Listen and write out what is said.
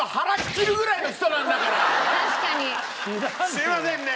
すみませんね！